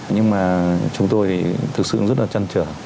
nhưng mà chúng tôi thì thực sự rất là chăn trở